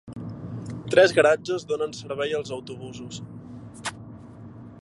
Tres garatges donen servei als autobusos.